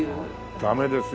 ダメですよ！